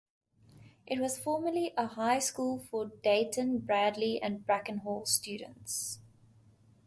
It was formerly a high school for Deighton, Bradley and Brackenhall students.